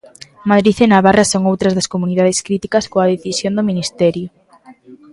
Madrid e Navarra son outras das comunidades críticas coa decisión do Ministerio.